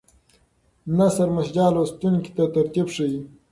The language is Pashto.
نثر مسجع لوستونکي ته ترتیب ښیي.